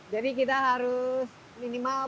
jadi kita harus minimal